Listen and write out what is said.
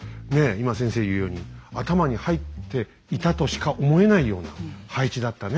今先生言うように頭に入っていたとしか思えないような配置だったね。